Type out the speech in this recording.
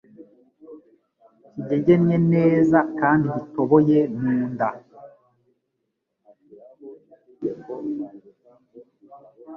kigegennye neza kandi gitoboye mu nda,